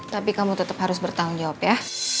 tapi kamu tetap harus bertanggung jawab ya